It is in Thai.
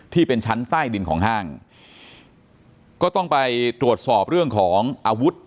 ที่เป็นชั้นใต้ดินของห้างก็ต้องไปตรวจสอบเรื่องของอาวุธ